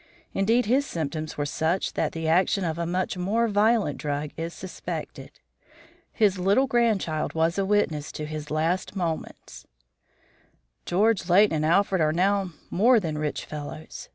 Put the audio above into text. Indeed, his symptoms were such that the action of a much more violent drug is suspected. His little grandchild was a witness to his last moments.'_ George, Leighton, and Alfred are now more than rich fellows.